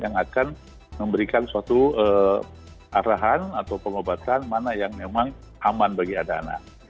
yang akan memberikan suatu arahan atau pengobatan mana yang memang aman bagi anak anak